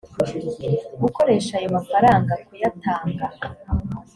gukoresha ayo mafaranga kuyatanga